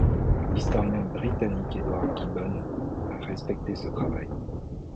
L'historien britannique Edward Gibbon a respecté ce travail.